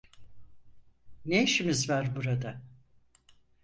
Ne işimiz var burada?